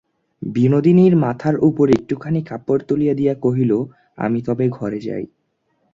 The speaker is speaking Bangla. বিনোদিনী মাথার উপরে একটুখানি কাপড় তুলিয়া দিয়া কহিল, আমি তবে ঘরে যাই।